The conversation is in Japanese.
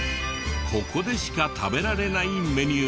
ここでしか食べられないメニューだった。